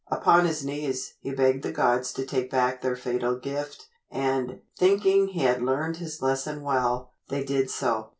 Upon his knees, he begged the gods to take back their fatal gift, and, thinking he had learned his lesson well, they did so.